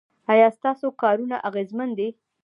ایا ستاسو کارونه اغیزمن دي؟